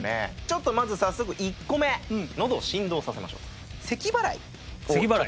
ちょっとまず早速１個目のどを振動させましょう。